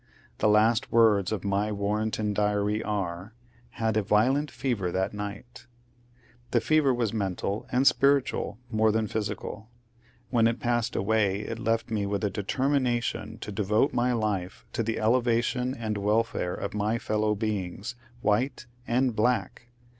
The last words of my Warrenton diary are, "Had a violent fever that night" The fever was mental and spiritual more than physical ; when it passed away it left me with a determination to devote my life to the elevation and welfare of my fellow beings, white and black.